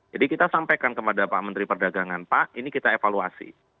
jadi kita sampaikan kepada pak menteri perdagangan pak ini kita evaluasi